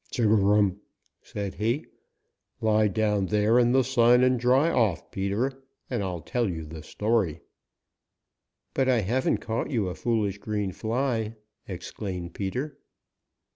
"Chug a rum!" said he. "Lie down there in the sun and dry off, Peter, and I'll tell you the story." "But I haven't caught you a foolish green fly!" exclaimed Peter.